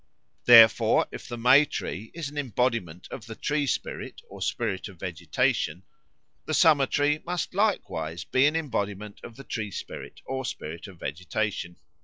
Therefore, if the May tree is an embodiment of the tree spirit or spirit of vegetation, the Summer tree must likewise be an embodiment of the tree spirit or spirit of vegetation.